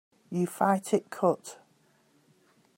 You fight it cut.